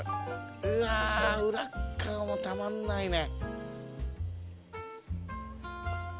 うわ裏っ側もたまんないね。